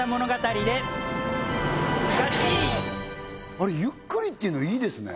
あれゆっくりっていうのいいですね